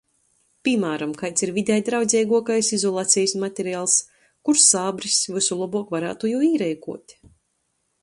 Pīmāram, kaids ir videi draudzeiguokais izolacejis materials, kurs sābris vysu lobuok varātu jū īreikuot.